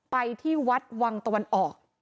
ไปที่วัดวังตะวันออก